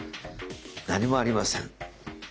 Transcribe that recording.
何もありません。